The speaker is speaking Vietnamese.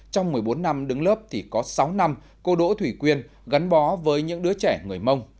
trong một mươi bốn năm đứng lớp thì có sáu năm cô đỗ thủy quyên gắn bó với những đứa trẻ người mông